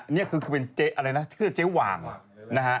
นี่เป็นเจ๊หว่างหล่ะ